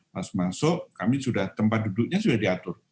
pas masuk kami sudah tempat duduknya sudah diatur